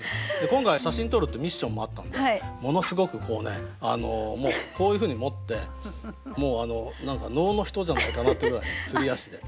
今回写真撮るってミッションもあったんでものすごくこういうふうに持って能の人じゃないかなってぐらいすり足で。